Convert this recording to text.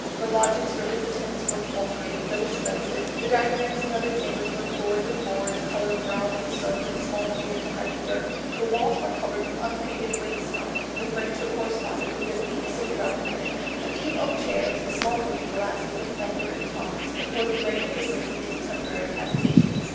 The lodgings for visitants were paltry, though expensive, the dining rooms and other chambers were floored with boards coloured brown with soot and small beer to hide the dirt; the walls were covered with unpainted wainscot, the furniture corresponded with the meanness of the architecture; a few oak chairs, a small looking glass, with a fender and tongs, composed the magnificence of these temporary habitations.